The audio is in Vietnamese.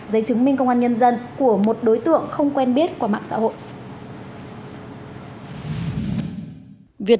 giấy chứng minh công an nhân dân của một đối tượng không quen biết qua mạng xã hội